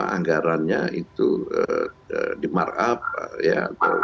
anggarannya itu dimarkup ya